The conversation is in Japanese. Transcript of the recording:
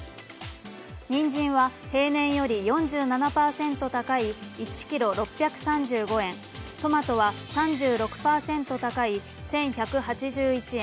にんじんは平年より４７％高い１ｋｇ、６３５円、トマトは３６％高い１１８１円。